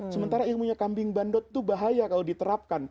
sementara ilmunya kambing bandot itu bahaya kalau diterapkan